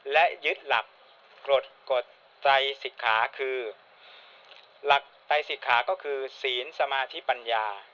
และยึดหลักกฎไตรศิกขาคือหลักไตรศิกขาก็คือศีลสมาธิปัญญา